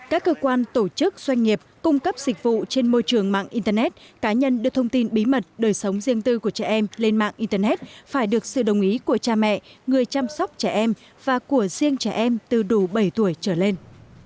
các cơ quan tổ chức doanh nghiệp cung cấp dịch vụ trên môi trường mạng internet cá nhân đưa thông tin bí mật đời sống riêng tư của trẻ em lên mạng internet phải được sự đồng ý của cha mẹ người chăm sóc trẻ em và của riêng trẻ em từ đủ bảy tuổi trở lên